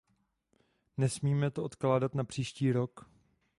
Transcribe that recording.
Nesmíme to odkládat na příští rok.